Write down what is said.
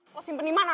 kau simpeni mana